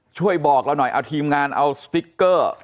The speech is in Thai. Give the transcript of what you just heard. ช่วยบอกเราหน่อยเอาทีมงานเอาสติ๊กเกอร์